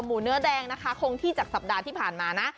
เนื้อแดงนะคะคงที่จากสัปดาห์ที่ผ่านมานะ